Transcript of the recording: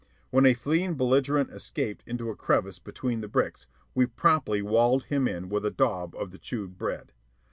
When a fleeing belligerent escaped into a crevice between the bricks, we promptly walled him in with a daub of the chewed bread.